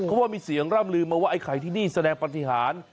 เพราะว่ามีเสียงร่ำลืมมาว่าไอ้ไข่ที่นี่แสดงปฏิหาร